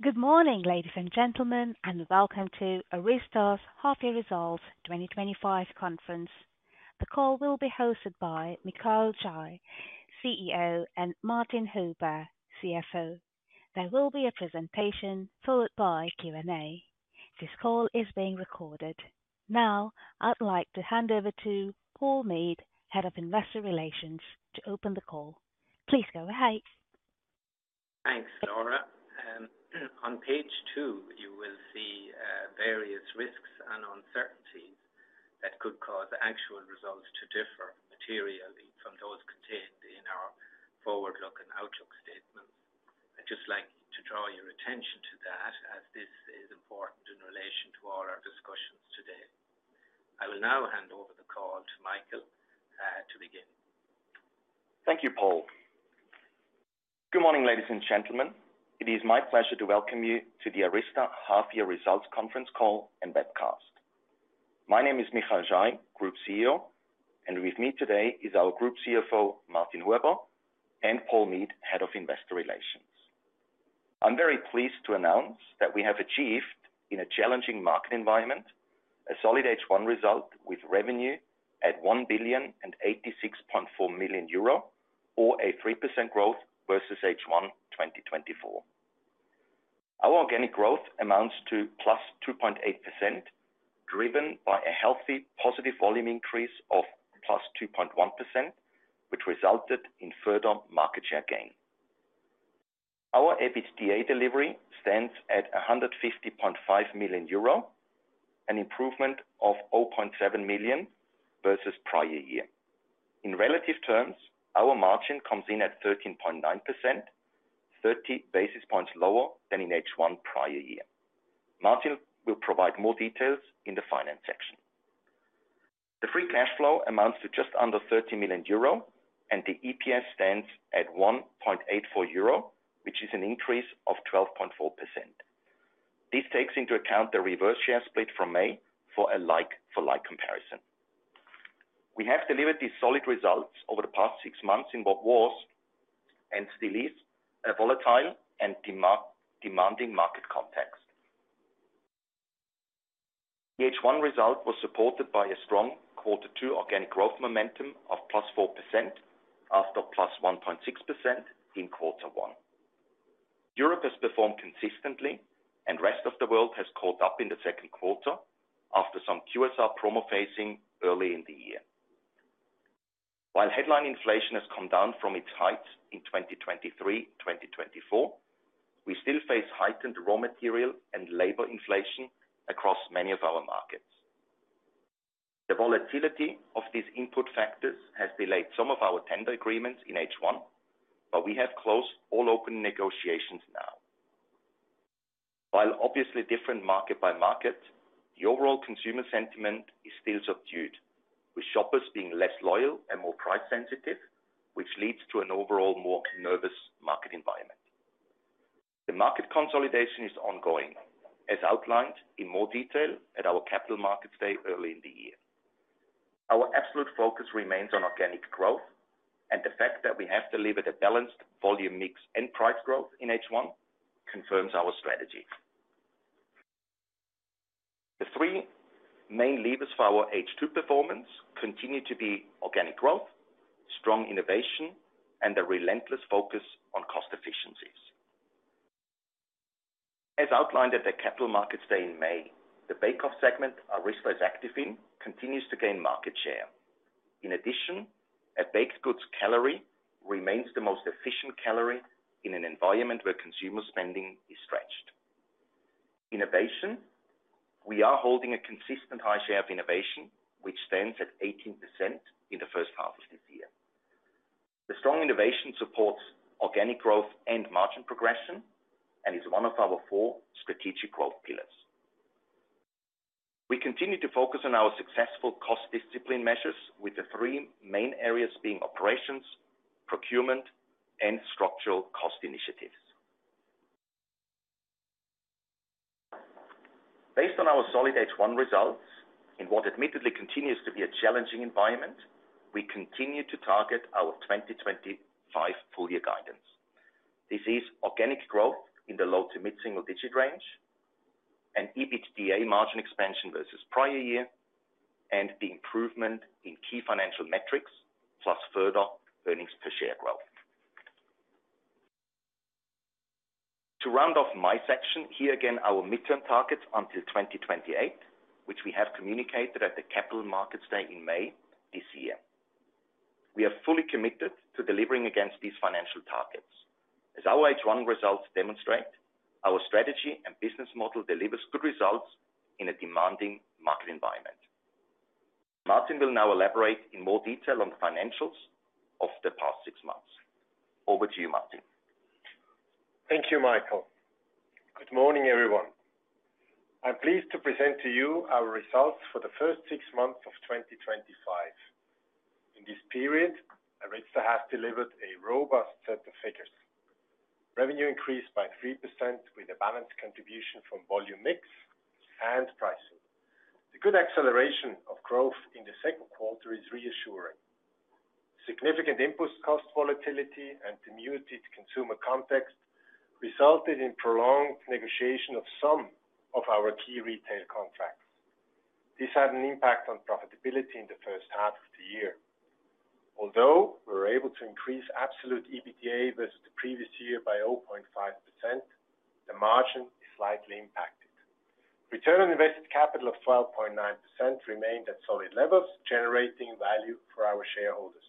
Good morning, ladies and gentlemen, and welcome to ARYZTA AG's Half Year Results 2025 Conference. The call will be hosted by Michael Schai, CEO, and Martin Huber, CFO. There will be a presentation followed by Q&A. This call is being recorded. Now, I'd like to hand over to Paul Meade, Head of Investor Relations, to open the call. Please go ahead. Thanks, Laura. On page two, you will see various risks and uncertainties that could cause actual results to differ materially from those contained in our forward look and outlook statements. I'd just like to draw your attention to that, as this is important in relation to all our discussions today. I will now hand over the call to Michael to begin. Thank you, Paul. Good morning, ladies and gentlemen. It is my pleasure to welcome you to the ARYZTA AG Half Year Results Conference Call and Webcast. My name is Michael Schai, Group CEO, and with me today is our Group CFO, Martin Huber, and Paul Meade, Head of Investor Relations. I'm very pleased to announce that we have achieved, in a challenging market environment, a solid H1 result with revenue at 1,086.4 million euro, or a 3% growth versus H1 2024. Our organic growth amounts to +2.8%, driven by a healthy, positive volume increase of +2.1%, which resulted in further market share gain. Our EBITDA delivery stands at 150.5 million euro, an improvement of 0.7 million versus prior year. In relative terms, our margin comes in at 13.9%, 30 basis points lower than in H1 prior year. Martin will provide more details in the finance section. The free cash flow amounts to just under 30 million euro, and the EPS stands at 1.84 euro, which is an increase of 12.4%. This takes into account the reverse share split from May for a like-for-like comparison. We have delivered these solid results over the past six months in what was, and still is, a volatile and demanding market context. The H1 result was supported by a strong Q2 organic growth momentum of +4% after +1.6% in Q1. Europe has performed consistently, and the rest of the world has caught up in the second quarter after some QSR promo-phasing early in the year. While headline inflation has come down from its heights in 2023 and 2024, we still face heightened raw material and labor inflation across many of our markets. The volatility of these input factors has delayed some of our tender agreements in H1, but we have closed all open negotiations now. While obviously different market by market, the overall consumer sentiment is still subdued, with shoppers being less loyal and more price-sensitive, which leads to an overall more nervous market environment. The market consolidation is ongoing, as outlined in more detail at our Capital Markets Day early in the year. Our absolute focus remains on organic growth, and the fact that we have delivered a balanced volume mix and price growth in H1 confirms our strategy. The three main levers for our H2 performance continue to be organic growth, strong innovation, and a relentless focus on cost efficiencies. As outlined at the Capital Markets Day in May, the bake-off segment our risk less active in continues to gain market share. In addition, a baked goods calorie remains the most efficient calorie in an environment where consumer spending is stretched. Innovation, we are holding a consistent high share of innovation, which stands at 18% in the first half of this year. The strong innovation supports organic growth and margin progression and is one of our four strategic growth pillars. We continue to focus on our successful cost discipline measures, with the three main areas being operations, procurement, and structural cost initiatives. Based on our solid H1 results in what admittedly continues to be a challenging environment, we continue to target our 2025 full-year guidance. This is organic growth in the low to mid-single-digit range, an EBITDA margin expansion versus prior year, and the improvement in key financial metrics plus further earnings per share growth. To round off my section, here again our mid-term targets until 2028, which we have communicated at the Capital Markets Day in May this year. We are fully committed to delivering against these financial targets. As our H1 results demonstrate, our strategy and business model deliver good results in a demanding market environment. Martin will now elaborate in more detail on the financials of the past six months. Over to you, Martin. Thank you, Michael. Good morning, everyone. I'm pleased to present to you our results for the first six months of 2025. In this period, ARYZTA AG has delivered a robust set of figures: revenue increased by 3% with a balanced contribution from volume mix and pricing. The good acceleration of growth in the second quarter is reassuring. Significant input cost volatility and muted consumer context resulted in prolonged negotiation of some of our key retail contracts. This had an impact on profitability in the first half of the year. Although we were able to increase absolute EBITDA versus the previous year by 0.5%, the margin is slightly impacted. Return on invested capital of 12.9% remained at solid levels, generating value for our shareholders.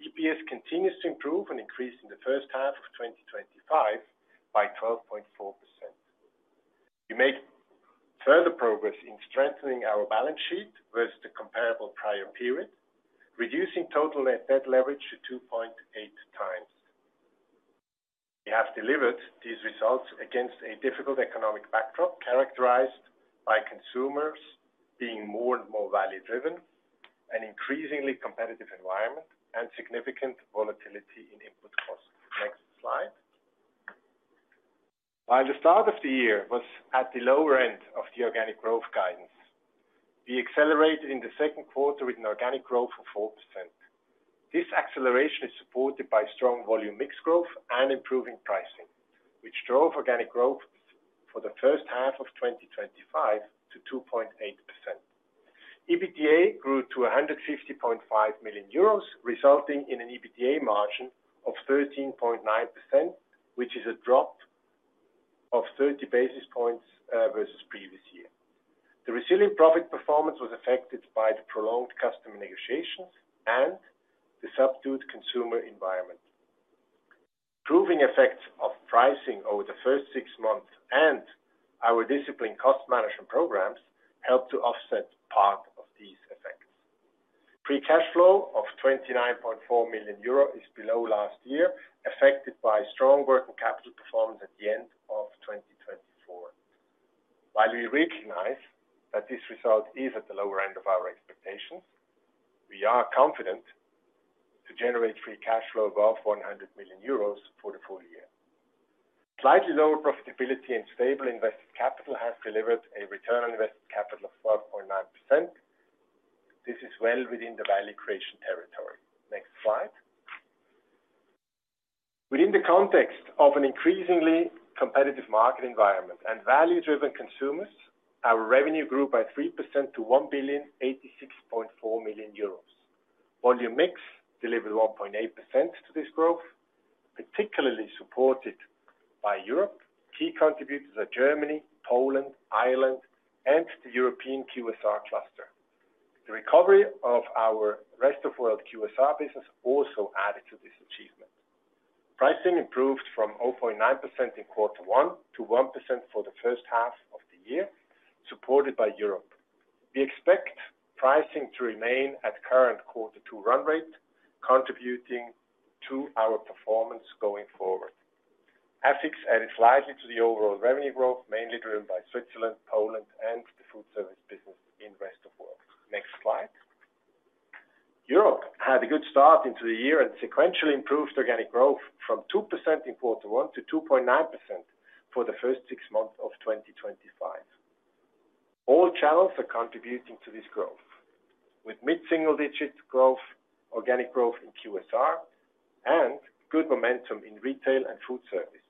EPS continues to improve and increase in the first half of 2025 by 12.4%. We made further progress in strengthening our balance sheet versus the comparable prior period, reducing total net debt leverage to 2.8x. We have delivered these results against a difficult economic backdrop characterized by consumers being more and more value-driven, an increasingly competitive environment, and significant volatility in input costs. Next slide. While the start of the year was at the lower end of the organic growth guidance, we accelerated in the second quarter with an organic growth of 4%. This acceleration is supported by strong volume mix growth and improving pricing, which drove organic growth for the first half of 2025 to 2.8%. EBITDA grew to 150.5 million euros, resulting in an EBITDA margin of 13.9%, which is a drop of 30 basis points versus previous year. The resilient profit performance was affected by the prolonged customer negotiations and the subdued consumer environment. Improving effects of pricing over the first six months and our disciplined cost management programs helped to offset part of these effects. Free cash flow of 29.4 million euro is below last year, affected by strong working capital performance at the end of 2024. While we recognize that this result is at the lower end of our expectations, we are confident to generate free cash flow above 100 million euros for the full year. Slightly lower profitability and stable invested capital have delivered a return on invested capital of 12.9%. This is well within the value creation territory. Next slide. Within the context of an increasingly competitive market environment and value-driven consumers, our revenue grew by 3% to 1,086.4 million euros. Volume mix delivered 1.8% to this growth, particularly supported by Europe. Key contributors are Germany, Poland, Ireland, and the European QSR cluster. The recovery of our rest of the world QSR business also added to this achievement. Pricing improved from 0.9% in Q1 to 1% for the first half of the year, supported by Europe. We expect pricing to remain at current Q2 run rate, contributing to our performance going forward. Ethics added slightly to the overall revenue growth, mainly driven by Switzerland, Poland, and the food service business in the rest of the world. Next slide. Europe had a good start into the year and sequentially improved organic growth from 2% in quarter one to 2.9% for the first six months of 2025. All channels are contributing to this growth, with mid-single-digit growth, organic growth in QSR, and good momentum in retail and food service.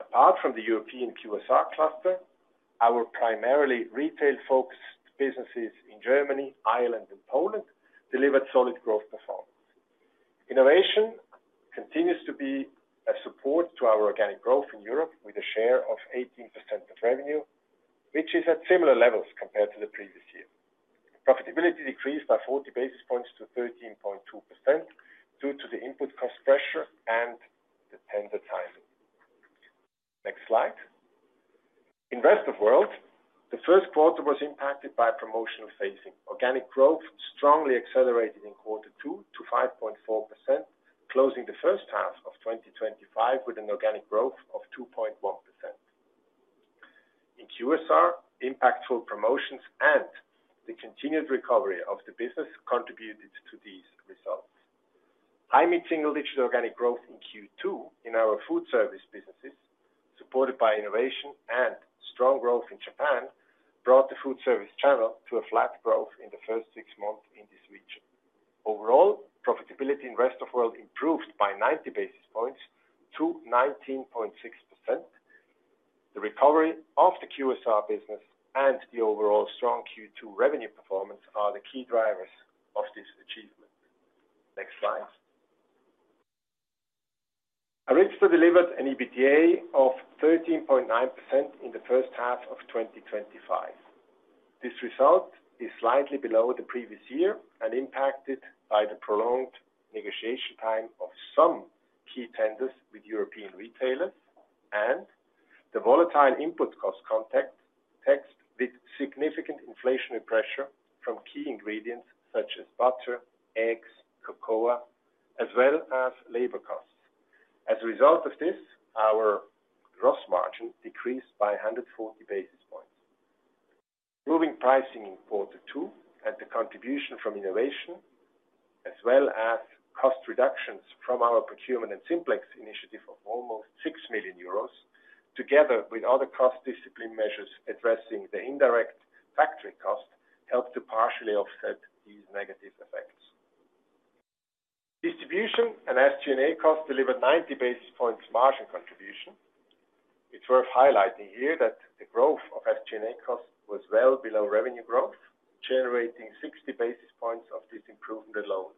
Apart from the European QSR cluster, our primarily retail-focused businesses in Germany, Ireland, and Poland delivered solid growth performance. Innovation continues to be a support to our organic growth in Europe, with a share of 18% of revenue, which is at similar levels compared to the previous year. Profitability decreased by 40 basis points to 13.2% due to the input cost pressure and the tender sizing. Next slide. In the rest of the world, the first quarter was impacted by promotional phasing. Organic growth strongly accelerated in Q2 to 5.4%, closing the first half of 2025 with an organic growth of 2.1%. In QSR, impactful promotions and the continued recovery of the business contributed to these results. High mid-single-digit organic growth in Q2 in our food service businesses, supported by innovation and strong growth in Japan, brought the food service channel to a flat growth in the first six months in this region. Overall, profitability in the rest of the world improved by 90 basis points to 19.6%. The recovery of the QSR business and the overall strong Q2 revenue performance are the key drivers of this achievement. Next slide. ARYZTA AG delivered an EBITDA of 13.9% in the first half of 2025. This result is slightly below the previous year and impacted by the prolonged negotiation time of some key tenders with European retailers and the volatile input cost context with significant inflationary pressure from key ingredients such as butter, eggs, cocoa, as well as labor costs. As a result of this, our gross margin decreased by 140 basis points. Improving pricing in Q2 and the contribution from innovation, as well as cost reductions from our procurement and Simplex initiative of almost 6 million euros, together with other cost discipline measures addressing the indirect factory cost, helped to partially offset these negative effects. Distribution and SG&A cost delivered 90 basis points margin contribution. It's worth highlighting here that the growth of SG&A cost was well below revenue growth, generating 60 basis points of this improvement alone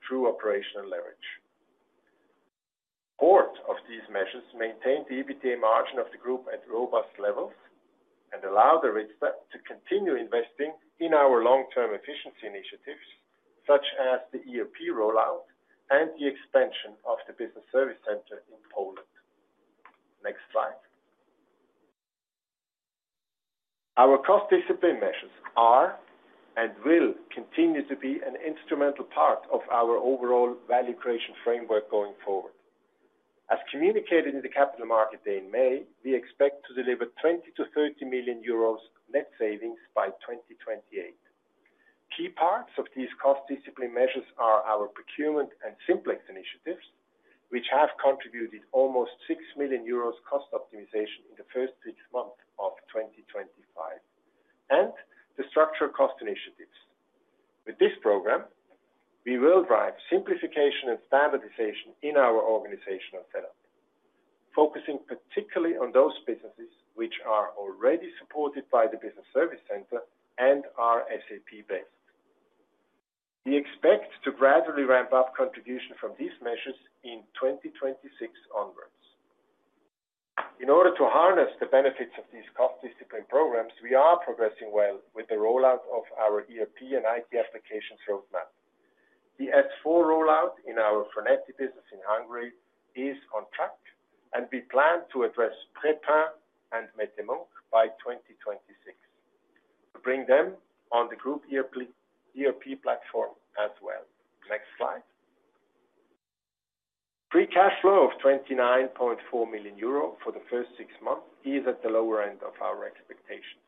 through operational leverage. Both of these measures maintained the EBITDA margin of the group at robust levels and allowed ARYZTA AG to continue investing in our long-term efficiency initiatives such as the EOP rollout and the expansion of the business service centre in Poland. Next slide. Our cost discipline measures are and will continue to be an instrumental part of our overall value creation framework going forward. As communicated in the Capital Markets Day in May, we expect to deliver 20 million-30 million euros net savings by 2028. Key parts of these cost discipline measures are our procurement and Simplex initiatives, which have contributed almost 6 million euros cost optimization in the first six months of 2025, and the structural cost initiatives. With this program, we will drive simplification and standardization in our organizational setup, focusing particularly on those businesses which are already supported by the business service centre and are SAP based. We expect to gradually ramp up contribution from these measures in 2026 onwards. In order to harness the benefits of these cost discipline programs, we are progressing well with the rollout of our ERP and IT applications roadmap. The F4 rollout in our Fornetti business in Hungary is on track, and we plan to address Pre Pain and Mette Munk by 2026. We bring them on the group ERP platform as well. Next slide. Free cash flow of 29.4 million euro for the first six months is at the lower end of our expectations.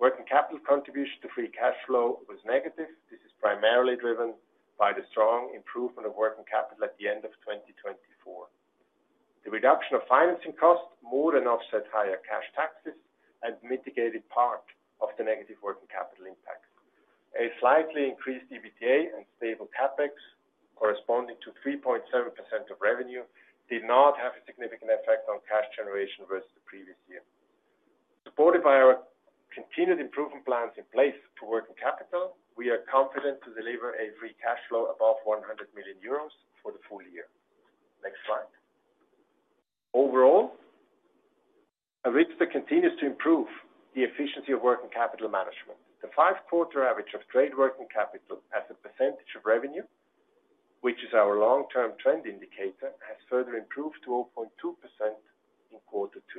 Working capital contribution to free cash flow was negative. This is primarily driven by the strong improvement of working capital at the end of 2024. The reduction of financing costs more than offset higher cash taxes and mitigated part of the negative working capital impact. A slightly increased EBITDA and stable CapEx corresponding to 3.7% of revenue did not have a significant effect on cash generation versus the previous year. Supported by our continued improvement plans in place for working capital, we are confident to deliver a free cash flow above 100 million euros for the full year. Next slide. Overall, ARYZTA AG continues to improve the efficiency of working capital management. The five-quarter average of trade working capital as a percentage of revenue, which is our long-term trend indicator, has further improved to 0.2% in Q2.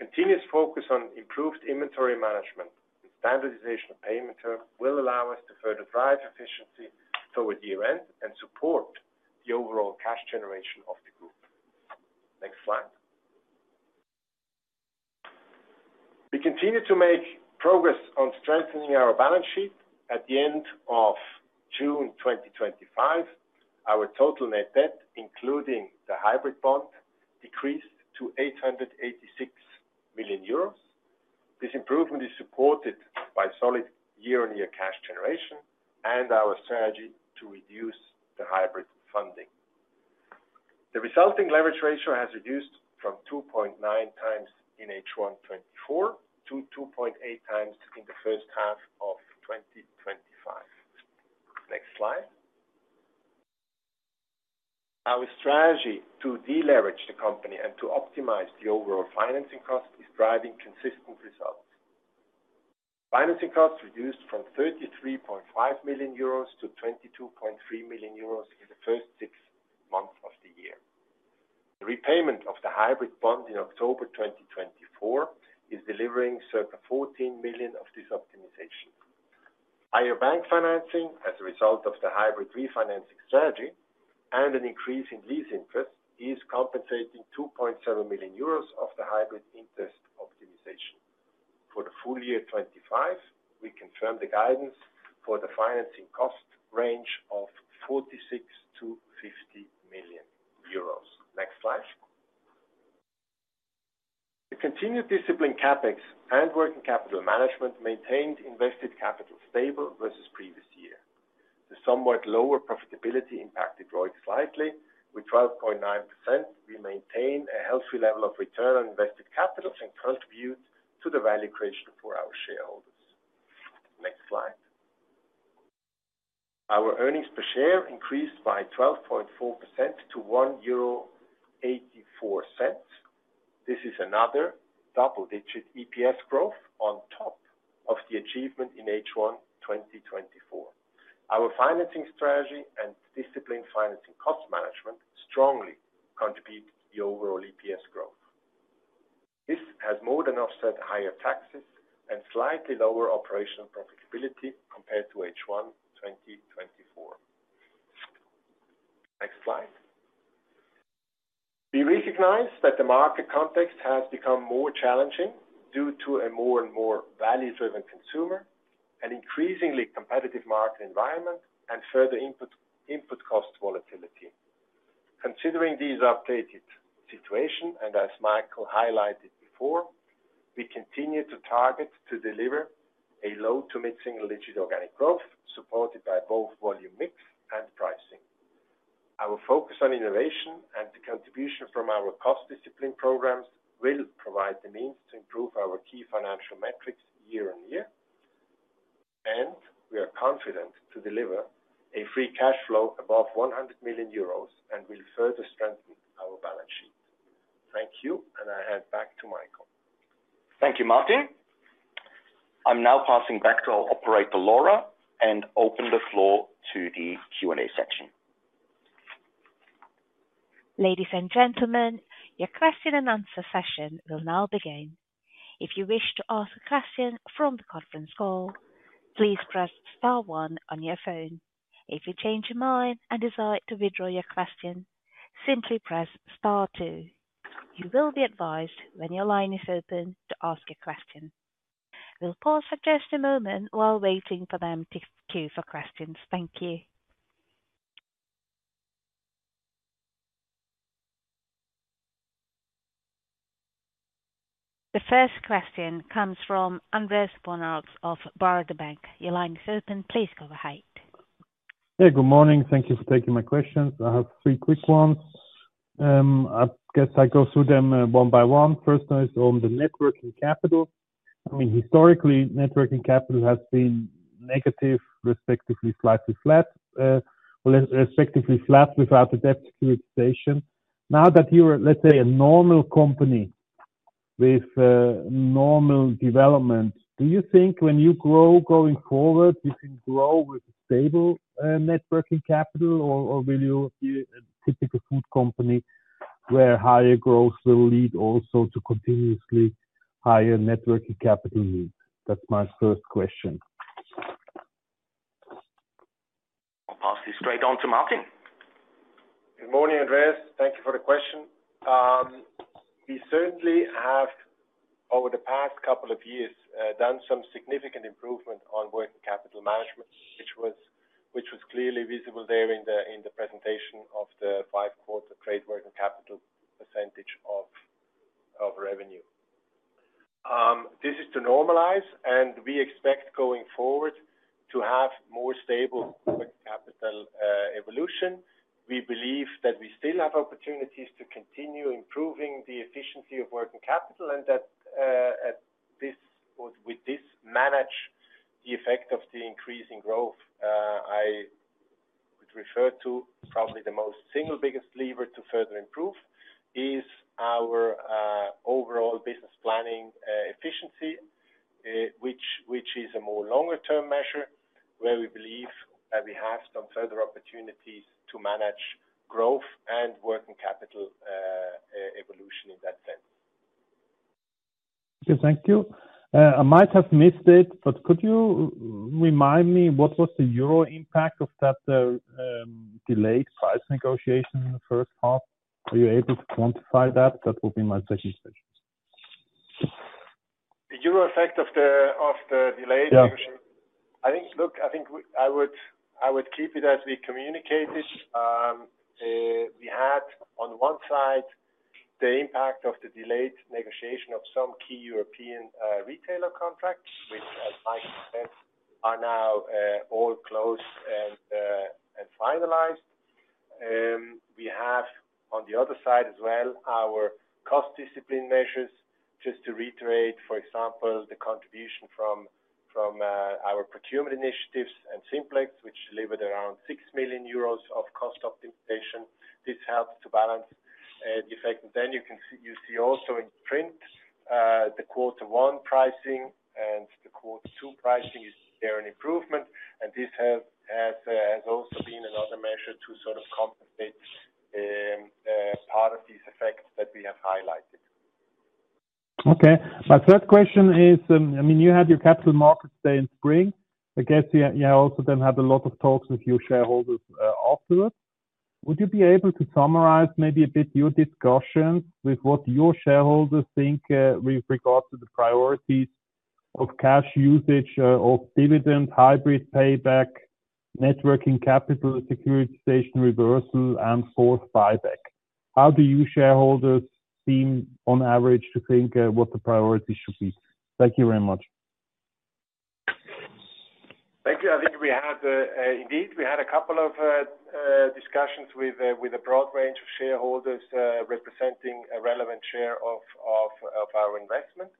Continuous focus on improved inventory management and standardization of payment terms will allow us to further drive efficiency toward year-end and support the overall cash generation of the group. Next slide. We continue to make progress on strengthening our balance sheet. At the end of June 2025, our total net debt, including the hybrid bond, decreased to 886 million euros. This improvement is supported by solid year-on-year cash generation and our strategy to reduce the hybrid funding. The resulting leverage ratio has reduced from 2.9 times in H1-2024 to 2.8x in the first half of 2025. Next slide. Our strategy to deleverage the company and to optimize the overall financing cost is driving consistent results. Financing costs reduced from 33.5 million-22.3 million euros in the first six months of the year. The repayment of the hybrid bond in October 2024 is delivering circa 14 million of this optimization. Higher bank financing as a result of the hybrid refinancing strategy and an increase in lease interest is compensating 2.7 million euros of the hybrid interest optimization. For the full year 2025, we confirmed the guidance for the financing cost range of EUR46-EUR50 million. Next slide. The continued disciplined CapEx and working capital management maintained invested capital stable versus previous year. The somewhat lower profitability impacted growth slightly. With 12.9%, we maintain a healthy level of return on invested capital and contribute to the value creation for our shareholders. Next slide. Our earnings per share increased by 12.4% to 1.84 euro. This is another double-digit EPS growth on top of the achievement in H1-2024. Our financing strategy and disciplined financing cost management strongly contribute to the overall EPS growth. This has more than offset higher taxes and slightly lower operational profitability compared to H1-2024. Next slide. We recognize that the market context has become more challenging due to a more and more value-driven consumer, an increasingly competitive market environment, and further input cost volatility. Considering this updated situation, and as Michael highlighted before, we continue to target to deliver a low to mid-single-digit organic growth supported by both volume mix and pricing. Our focus on innovation and the contribution from our cost discipline programs will provide the means to improve our key financial metrics year on year, and we are confident to deliver a free cash flow above 100 million euros and will further strengthen our balance sheet. Thank you, and I hand back to Michael. Thank you, Martin. I'm now passing back to our operator, Laura, and open the floor to the Q&A section. Ladies and gentlemen, your question and answer session will now begin. If you wish to ask a question from the conference call, please press star one on your phone. If you change your mind and decide to withdraw your question, simply press star two. You will be advised when your line is open to ask a question. We'll pause for just a moment while waiting for them to queue for questions. Thank you. The first question comes from Andreas Bonnard of. Your line is open. Please go ahead. Yeah, good morning. Thank you for taking my questions. I have three quick ones. I guess I go through them one by one. First one is on the net working capital. I mean, historically, net working capital has been negative, respectively flat without a debt purification. Now that you are, let's say, a normal company with normal development, do you think when you grow going forward, you can grow with a stable net working capital, or will you be a typical food company where higher growth will lead also to continuously higher net working capital needs? That's my first question. I'll pass this straight on to Martin. Good morning, Andreas. Thank you for the question. We certainly have, over the past couple of years, done some significant improvement on working capital management, which was clearly visible there in the presentation of the five-quarter trade working capital % of revenue. This is to normalize, and we expect going forward to have more stable working capital evolution. We believe that we still have opportunities to continue improving the efficiency of working capital and that with this manage the effect of the increasing growth. I would refer to probably the most single biggest lever to further improve is our overall business planning efficiency, which is a more longer-term measure where we believe that we have some further opportunities to manage growth and working capital evolution in that sense. Thank you. I might have missed it, but could you remind me what was the euro impact of that delayed price negotiation in the first half? Are you able to quantify that? That will be my second question. The euro effect of the delayed negotiation? Yes. I think, look, I think I would keep it as we communicate this. We had on one side the impact of the delayed negotiation of some key European retailer contracts, which, as Michael said, are now all closed and finalized. We have on the other side as well our cost discipline measures, just to reiterate, for example, the contribution from our procurement initiatives and Simplex, which delivered around 6 million euros of cost optimization. This helps to balance the effect. You can see also in print the quarter one pricing and the quarter two pricing is there an improvement. This has also been another measure to sort of compensate part of these effects that we have highlighted. Okay. My third question is, I mean, you had your Capital Markets Day in spring. I guess you also then had a lot of talks with your shareholders afterwards. Would you be able to summarize maybe a bit your discussions with what your shareholders think with regards to the priorities of cash usage, of dividends, hybrid payback, networking capital, securitization reversal, and forced buyback? How do your shareholders seem on average to think what the priority should be? Thank you very much. Thank you. I think we had, indeed, we had a couple of discussions with a broad range of shareholders representing a relevant share of our investment.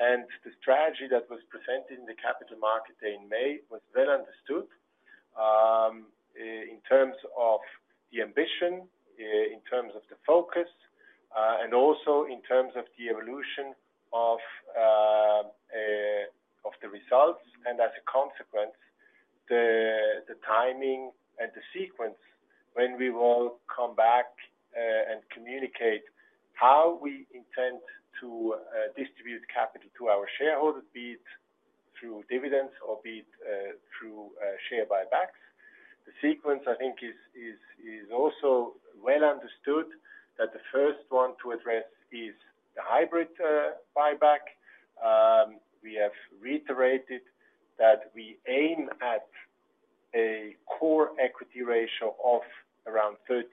The strategy that was presented in the Capital Markets Day in May was well understood in terms of the ambition, in terms of the focus, and also in terms of the evolution of the results. As a consequence, the timing and the sequence when we will come back and communicate how we intend to distribute capital to our shareholders, be it through dividends or be it through share buybacks, is clear. The sequence, I think, is also well understood that the first one to address is the hybrid buyback. We have reiterated that we aim at a core equity ratio of around 30%.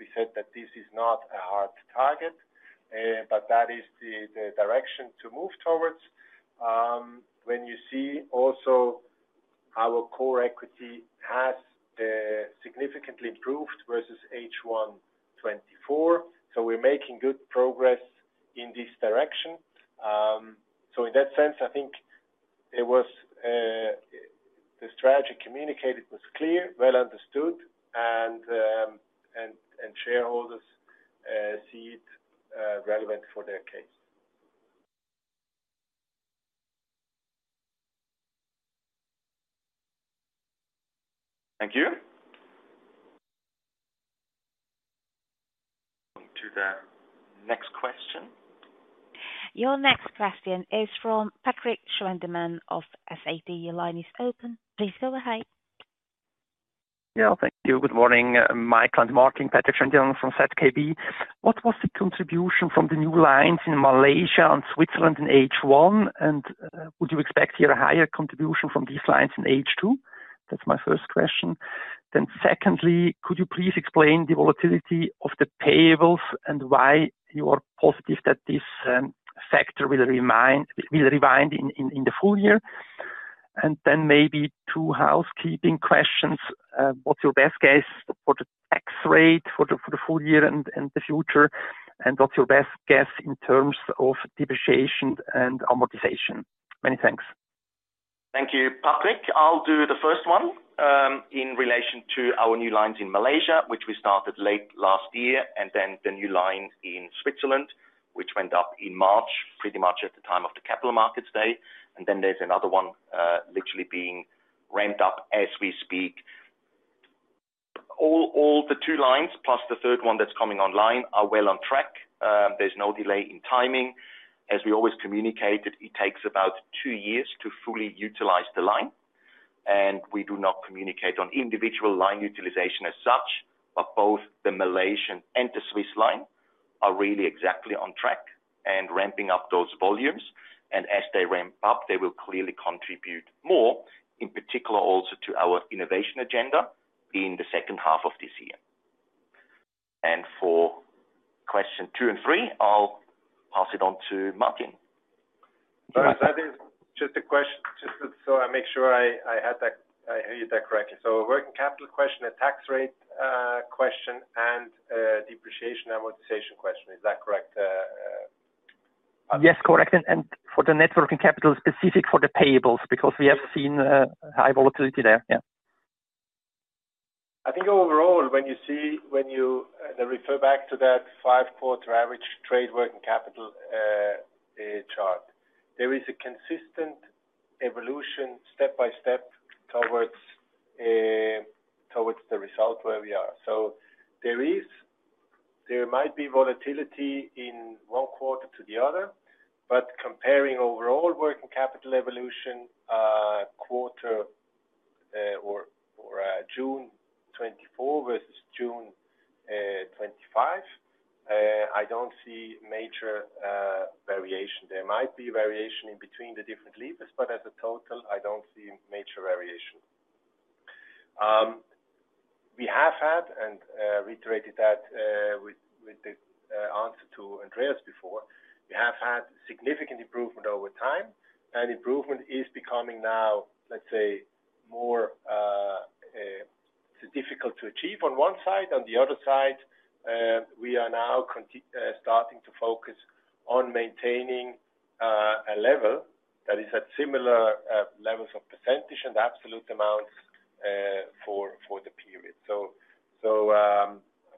We said that this is not a hard target, but that is the direction to move towards. When you see also our core equity has significantly improved versus H1 2024, we're making good progress in this direction. In that sense, I think the strategy communicated was clear, well understood, and shareholders see it relevant for their case. Thank you. On to the next question. Your next question is from Patrick Schaindemann of SAD. Your line is open. Please go ahead. Yeah, thank you. Good morning. Martin Huber, Patrik Schwendimann from ZKB. What was the contribution from the new lines in Malaysia and Switzerland in H1, and would you expect to hear a higher contribution from these lines in H2? That's my first question. Secondly, could you please explain the volatility of the payables and why you are positive that this factor will rewind in the full year? Maybe two housekeeping questions. What's your best guess for the tax rate for the full year and the future? What's your best guess in terms of depreciation and amortization? Many thanks. Thank you, Patrik. I'll do the first one in relation to our new lines in Malaysia, which we started late last year, and then the new line in Switzerland, which went up in March, pretty much at the time of the Capital Markets Day. There is another one literally being ramped up as we speak. All the two lines, plus the third one that's coming online, are well on track. There is no delay in timing. As we always communicated, it takes about two years to fully utilize the line. We do not communicate on individual line utilization as such, but both the Malaysian and the Swiss line are really exactly on track and ramping up those volumes. As they ramp up, they will clearly contribute more, in particular also to our innovation agenda in the second half of this year. For question two and three, I'll pass it on to Martin. Donna, that is just a question, just so I make sure I hear you that correctly. A working capital question, a tax rate question, and a depreciation amortization question. Is that correct? Yes, correct. For the networking capital, specific for the payables, because we have seen high volatility there. I think overall, when you see, when you refer back to that five-quarter average trade working capital chart, there is a consistent evolution step by step towards the result where we are. There might be volatility in one quarter to the other, but comparing overall working capital evolution, quarter or June 2024 versus June 2025, I don't see major variation. There might be variation in between the different levers, but as a total, I don't see major variation. We have had, and reiterated that with the answer to Andreas before, we have had significant improvement over time, and improvement is becoming now, let's say, more difficult to achieve on one side. On the other side, we are now starting to focus on maintaining a level that is at similar levels of percentage and absolute amounts for the period.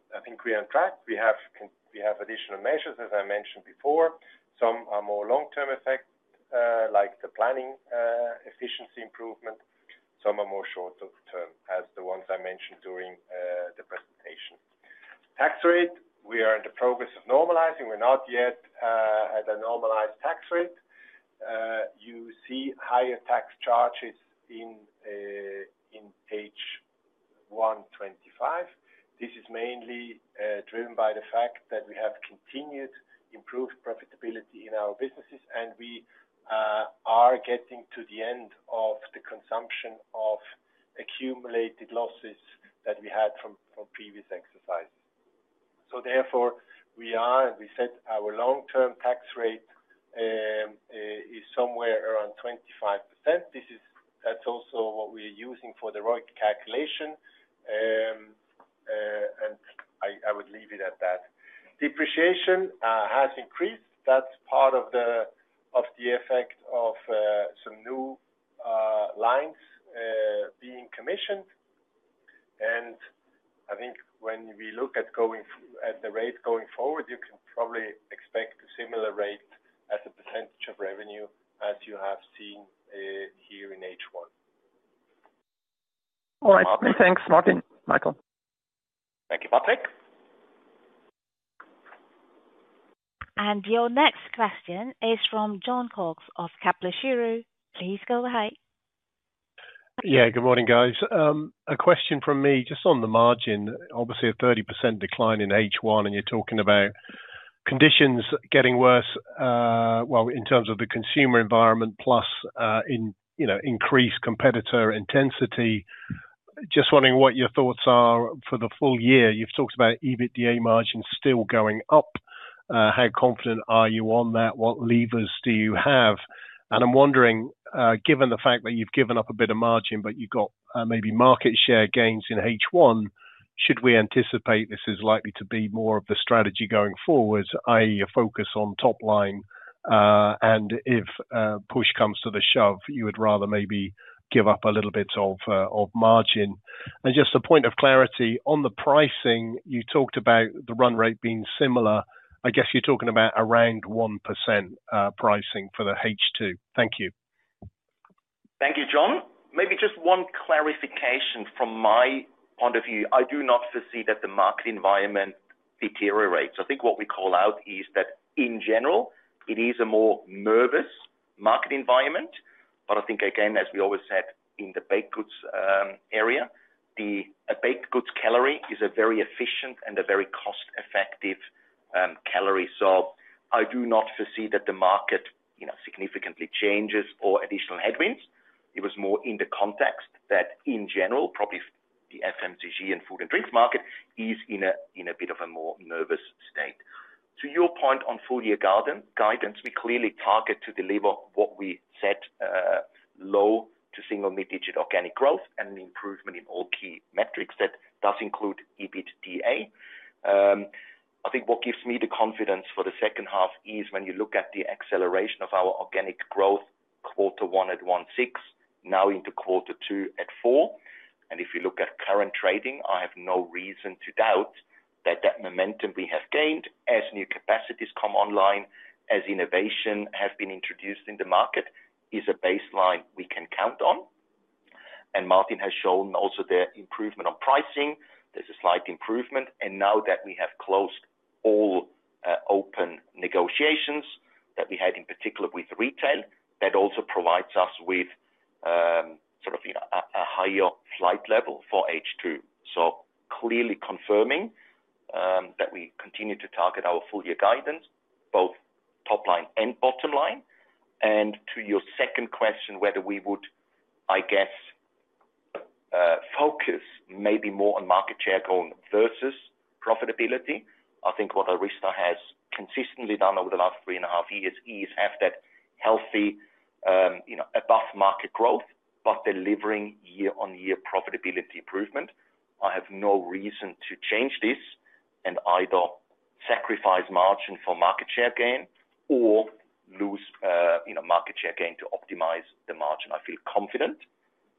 I think we are on track. We have additional measures, as I mentioned before. Some are more long-term effects, like the planning efficiency improvement. Some are more shorter term, as the ones I mentioned during the presentation. Tax rate, we are in the progress of normalising. We're not yet at a normalised tax rate. You see higher tax charges in page 125. This is mainly driven by the fact that we have continued improved profitability in our businesses, and we are getting to the end of the consumption of accumulated losses that we had from previous exercises. Therefore, we are, we said our long-term tax rate is somewhere around 25%. That's also what we're using for the ROIC calculation, and I would leave it at that. Depreciation has increased. That's part of the effect of some new lines being commissioned. I think when we look at the rate going forward, you can probably expect a similar rate as a percentage of revenue as you have seen here in H1. All right. Thanks, Martin. Michael. Thank you, Patrick. Your next question is from Jon Cox of Kepler Cheuvreux. Please go ahead. Yeah, good morning, guys. A question from me just on the margin. Obviously, a 30% decline in H1, and you're talking about conditions getting worse in terms of the consumer environment, plus increased competitor intensity. Just wondering what your thoughts are for the full year. You've talked about EBITDA margins still going up. How confident are you on that? What levers do you have? I'm wondering, given the fact that you've given up a bit of margin, but you've got maybe market share gains in H1, should we anticipate this is likely to be more of the strategy going forward, i.e., a focus on top line? If push comes to the shove, you would rather maybe give up a little bit of margin. Just a point of clarity on the pricing, you talked about the run rate being similar. I guess you're talking about around 1% pricing for the H2. Thank you. Thank you, Jon. Maybe just one clarification from my point of view. I do not foresee that the market environment deteriorates. I think what we call out is that, in general, it is a more nervous market environment. I think, again, as we always said in the baked goods area, a baked goods calorie is a very efficient and a very cost-effective calorie. I do not foresee that the market significantly changes or additional headwinds. It was more in the context that, in general, probably the FMCG and food and drinks market is in a bit of a more nervous state. To your point on full-year guidance, we clearly target to deliver what we said, low to single mid-digit organic growth and an improvement in all key metrics that does include EBITDA. I think what gives me the confidence for the second half is when you look at the acceleration of our organic growth, quarter one at 1.6%, now into quarter two at 4%. If you look at current trading, I have no reason to doubt that that momentum we have gained as new capacities come online, as innovation has been introduced in the market, is a baseline we can count on. Martin has shown also the improvement on pricing. There is a slight improvement. Now that we have closed all open negotiations that we had, in particular with retail, that also provides us with sort of a higher flight level for H2. Clearly confirming that we continue to target our full-year guidance, both top line and bottom line. To your second question, whether we would, I guess, focus maybe more on market share goal versus profitability, I think what ARYZTA AG has consistently done over the last three and a half years is have that healthy above-market growth, but delivering year-on-year profitability improvement. I have no reason to change this and either sacrifice margin for market share gain or lose market share gain to optimize the margin. I feel confident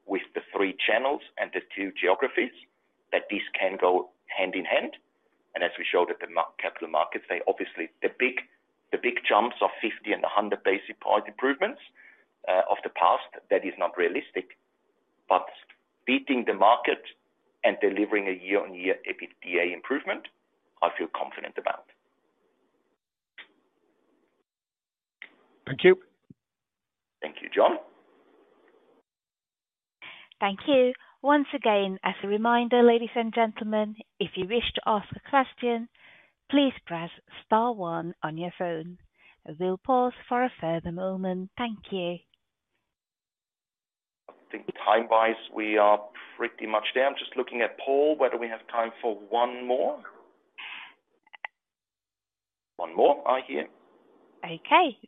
with the three channels and the two geographies that this can go hand in hand. As we showed at the Capital Markets Day, obviously, the big jumps of 50 and 100 basis point improvements of the past, that is not realistic. Beating the market and delivering a year-on-year EBITDA improvement, I feel confident about. Thank you. Thank you, Jon. Thank you. Once again, as a reminder, ladies and gentlemen, if you wish to ask a question, please press star one on your phone. We'll pause for a further moment. Thank you. I think time-wise, we are pretty much there. I'm just looking at Paul, whether we have time for one more. One more, I hear. Okay.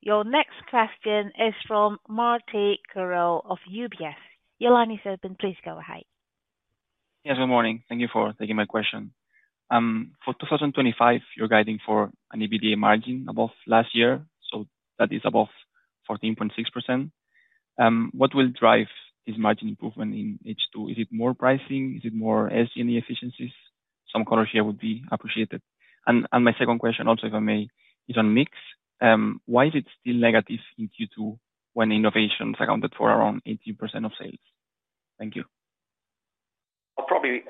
Your next question is from Martin Carrel of UBS. Your line is open. Please go ahead. Yes, good morning. Thank you for taking my question. For 2025, you're guiding for an EBITDA margin above last year, so that is above 14.6%. What will drive this margin improvement in H2? Is it more pricing? Is it more SG&E efficiencies? Some color share would be appreciated. My second question, also, if I may, is on mix. Why is it still negative in Q2 when innovations accounted for around 18% of sales? Thank you. I'll probably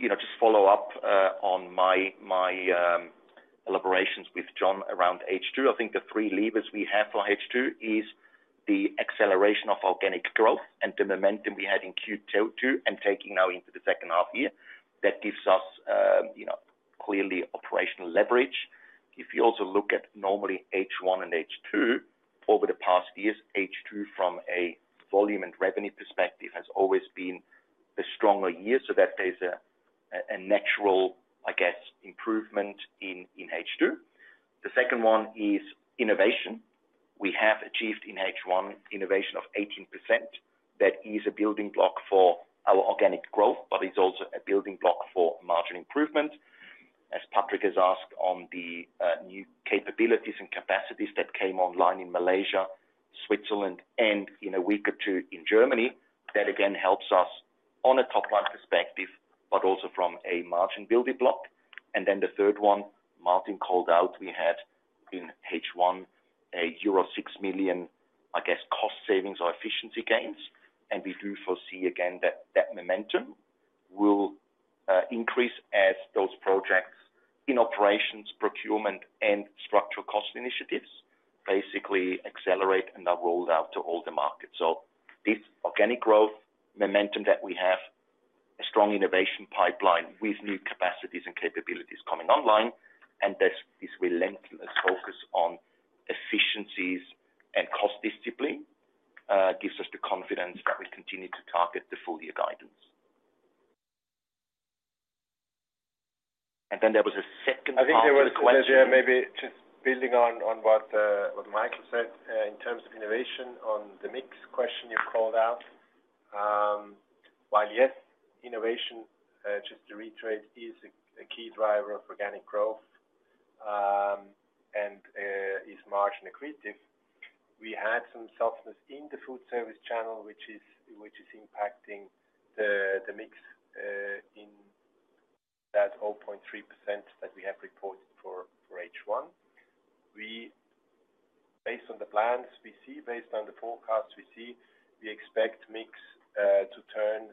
just follow up on my collaborations with John around H2. I think the three levers we have for H2 are the acceleration of organic growth and the momentum we had in Q2 and taking now into the second half here. That gives us clearly operational leverage. If you also look at normally H1 and H2, over the past years, H2 from a volume and revenue perspective has always been a stronger year, so that there's a natural, I guess, improvement in H2. The second one is innovation. We have achieved in H1 innovation of 18%. That is a building block for our organic growth, but it's also a building block for margin improvement. As Patrick has asked on the new capabilities and capacities that came online in Malaysia, Switzerland, and in a week or two in Germany, that again helps us on a top-right perspective, but also from a margin building block. The third one Martin called out, we had in H1 a euro 6 million cost savings or efficiency gains. We do foresee, again, that that momentum will increase as those projects in operations, procurement, and structural cost initiatives basically accelerate and are rolled out to all the markets. This organic growth momentum that we have, a strong innovation pipeline with new capacities and capabilities coming online, and this relentless focus on efficiencies and cost discipline gives us the confidence that we continue to target the full-year guidance. There was a second question. I think there was a question maybe just building on what Michael said in terms of innovation on the mix question you've called out. While yes, innovation, just to reiterate, is a key driver of organic growth and is margin accretive, we had some softness in the food service channel, which is impacting the mix in that 0.3% that we have reported for H1. Based on the plans we see, based on the forecasts we see, we expect mix to turn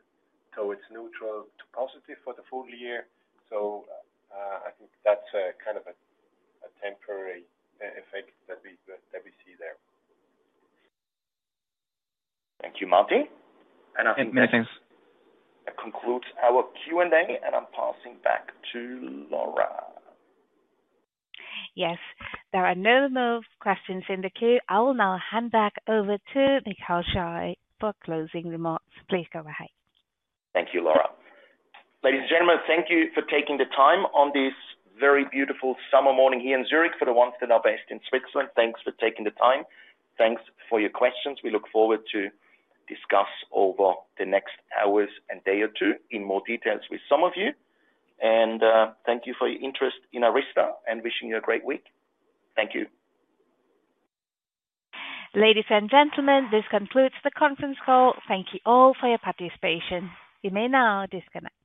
towards neutral to positive for the full year. I think that's a kind of a temporary effect that we see there. Thank you, Martin. I think. Many thanks. That concludes our Q&A, and I'm passing back to Laura. Yes, there are no more questions in the queue. I will now hand back over to Michael Schai for closing remarks. Please go ahead. Thank you, Laura. Ladies and gentlemen, thank you for taking the time on this very beautiful summer morning here in Zurich. For the ones that are based in Switzerland, thanks for taking the time. Thanks for your questions. We look forward to discuss over the next hours and day or two in more details with some of you. Thank you for your interest in ARYZTA and wishing you a great week. Thank you. Ladies and gentlemen, this concludes the conference call. Thank you all for your participation. You may now disconnect.